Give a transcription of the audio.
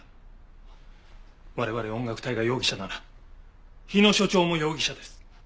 我々音楽隊が容疑者なら日野所長も容疑者です。